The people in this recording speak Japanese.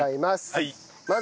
はい。